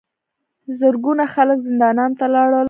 زرګونه خلک زندانونو ته لاړل.